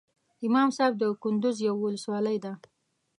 امام صاحب دکندوز یوه ولسوالۍ ده